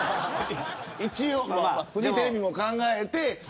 一応、フジテレビも考えて。